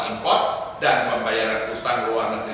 import dan pembayaran utang luar negeri